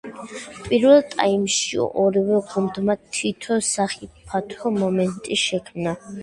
პირველ ტაიმში ორივე გუნდმა თითო სახიფათო მომენტი შექმნა.